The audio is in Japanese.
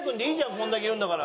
これだけ言うんだから。